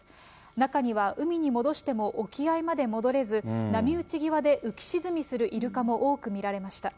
中には、海に戻しても沖合まで戻れず、波打ち際で浮き沈みするイルカも多く見られました。